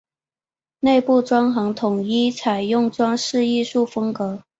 内外装潢统一采用装饰艺术风格。